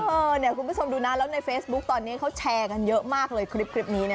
เออเดี๋ยวคุณผู้ชมดูนานแล้วในเฟสบุ๊คตอนเนี้ยเขาแชร์กันเยอะมากเลยคลิปนี้นะ